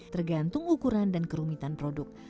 tergantung ukuran dan kerumitan produk